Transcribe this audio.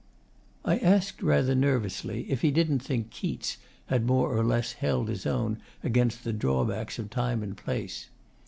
I asked rather nervously if he didn't think Keats had more or less held his own against the drawbacks of time and place.